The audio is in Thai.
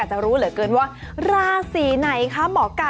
สวัสดีค่ะ